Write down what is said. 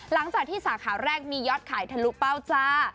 หลังจากที่สาขาแรกมียอดขายทะลุเป้าจ้า